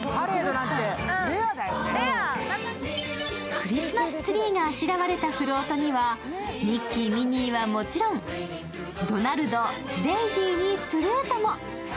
クリスマスツリーがあしらわれたフロートには、ミッキー、ミニーはもちろん、ドナルド、デイジーにプルートも。